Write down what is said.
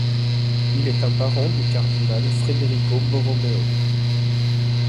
Il est un parent du cardinal Frederico Borromeo.